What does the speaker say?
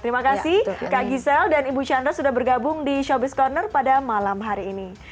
terima kasih kak gisel dan ibu chandra sudah bergabung di showbiz corner pada malam hari ini